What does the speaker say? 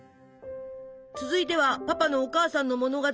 続いてはパパのお母さんの物語。